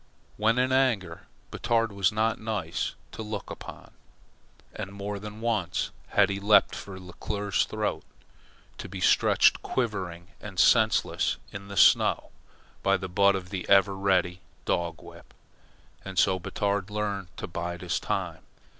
When in anger, Batard was not nice to look upon, and more than once had he leapt for Leclere's throat, to be stretched quivering and senseless in the snow, by the butt of the ever ready dogwhip. And so Batard learned to bide his time.